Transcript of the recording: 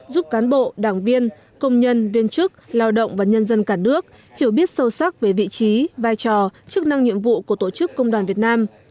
giúp cán bộ đảng viên công nhân viên chức lao động và nhân dân cả nước hiểu biết sâu sắc về vị trí vai trò chức năng nhiệm vụ của tổ chức công đoàn việt nam